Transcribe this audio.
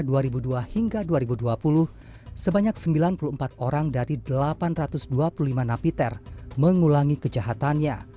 sejumlah hingga dua ribu dua puluh sebanyak sembilan puluh empat orang dari delapan ratus dua puluh lima napiter mengulangi kejahatannya